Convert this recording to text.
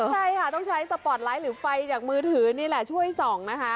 ใช่ค่ะต้องใช้สปอร์ตไลท์หรือไฟจากมือถือนี่แหละช่วยส่องนะคะ